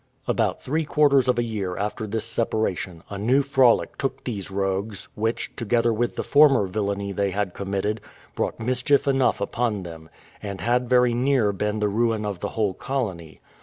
About three quarters of a year after this separation, a new frolic took these rogues, which, together with the former villainy they had committed, brought mischief enough upon them, and had very near been the ruin of the whole colony.